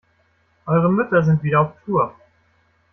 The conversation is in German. Eure Mütter sind wieder auf Tour.